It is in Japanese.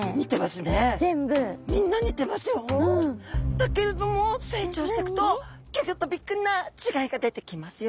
だけれども成長していくとギョギョッとびっくりな違いが出てきますよ。